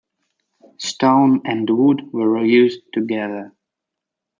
Stone and wood were used together.